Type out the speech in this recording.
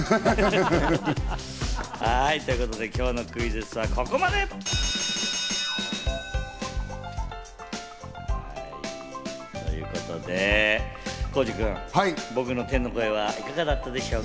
はい、ということで今日のクイズッスはここまで！ということで、浩次君、僕の天の声はいかがだったでしょうか？